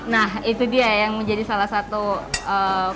nah itu dia yang menjadi salah satu faktor